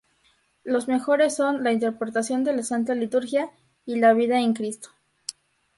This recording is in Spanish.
Los mejores son "La interpretación de la santa liturgia" y "La vida en Cristo".